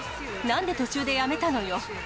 なんで途中でやめたのよ。